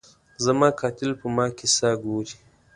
زما قاتل په ما کي ساه ګوري